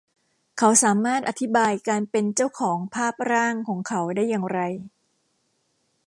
เขาสามารถอธิบายการเป็นเจ้าของภาพร่างของเขาได้อย่างไร